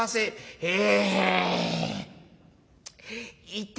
へえ。